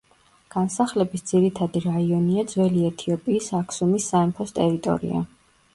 განსახლების ძირითადი რაიონია ძველი ეთიოპიის აქსუმის სამეფოს ტერიტორია.